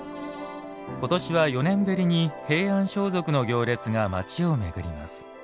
今年は４年ぶりに平安装束の行列が街を巡ります。